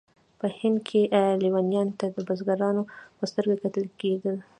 په هند کې لیونیانو ته د بزرګانو په سترګه کتل کېدل.